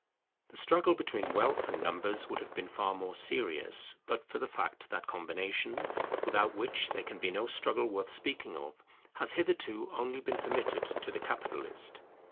The struggle between wealth and numbers would have been far more serious, but for the fact that combination, without which there can be no struggle worth speaking of, has hitherto only been permitted to the capitalist.